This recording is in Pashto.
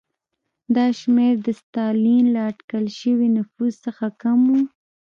دا شمېر د ستالین له اټکل شوي نفوس څخه کم و.